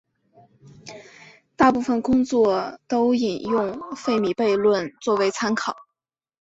大部分工作都引用费米悖论作为参考。